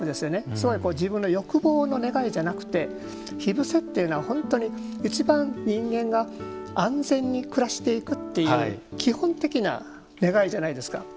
すごい自分の欲望の願いではなくて火伏せというのは本当にいちばん人間が安全に暮らしていくという基本的な願いじゃないですか。